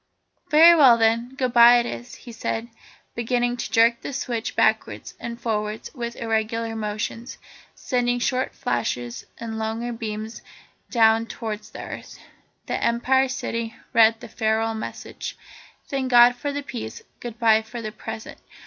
"Very well then; goodbye it is," he said, beginning to jerk the switch backwards and forwards with irregular motions, sending short flashes and longer beams down towards the earth. The Empire City read the farewell message. "Thank God for the peace. Goodbye for the present.